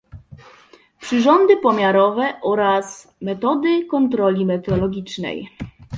Przyrządy pomiarowe oraz metody kontroli metrologicznej